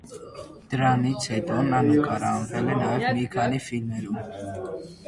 Դրանից հետո նա նկարահանվել է նաև մի քանի ֆիլմերում։